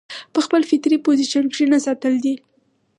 پۀ خپل فطري پوزيشن کښې نۀ ساتل دي